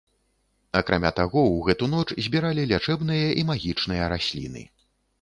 Акрамя таго, у гэту ноч збіралі лячэбныя і магічныя расліны.